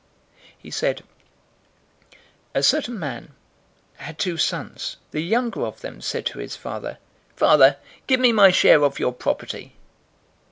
015:011 He said, "A certain man had two sons. 015:012 The younger of them said to his father, 'Father, give me my share of your property.'